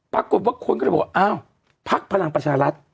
ปรากฎว่าคนก็จะบอกพักพลังประชารัฐ